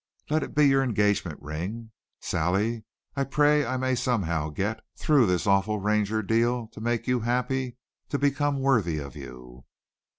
Let it be your engagement ring. Sally, I pray I may somehow get through this awful Ranger deal to make you happy, to become worthy of you!"